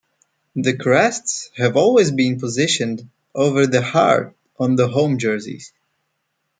The crests have always been positioned over the heart on the home jerseys.